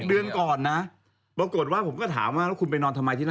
เดือนก่อนนะปรากฏว่าผมก็ถามว่าแล้วคุณไปนอนทำไมที่นั่น